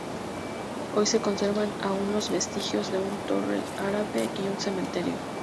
Hoy se conservan aún los vestigios de una torre árabe y un cementerio.